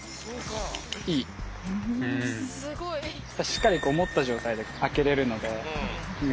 しっかり持った状態であけれるので。